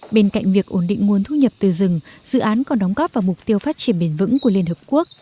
bên cạnh việc ổn định nguồn thu nhập từ rừng dự án còn đóng góp vào mục tiêu phát triển bền vững của liên hợp quốc